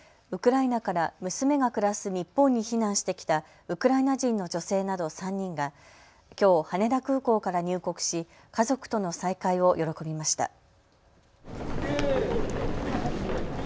ウクライナから娘が暮らす日本に避難してきたウクライナ人の女性など３人がきょう羽田空港から入国し家族との再会を喜びました。